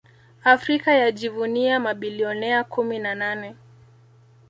Afrika yajivunia mabilionea kumi na nane